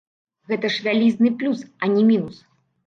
Гэта ж вялізны плюс, а не мінус.